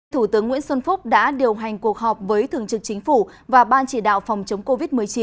thủ tướng nguyễn xuân phúc đã điều hành cuộc họp với thường trực chính phủ và ban chỉ đạo phòng chống covid một mươi chín